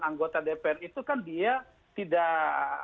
anggota dpr itu kan dia tidak